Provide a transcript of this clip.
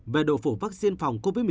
về độ phủ vaccine phòng covid một mươi chín